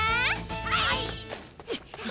はい。